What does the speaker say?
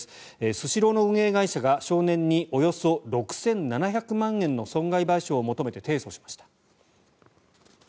スシローの運営会社が少年におよそ６７００万円の損害賠償を求めて提訴しました。